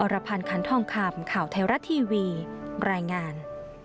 รพันธ์คันทองคำข่าวไทยรัฐทีวีรายงาน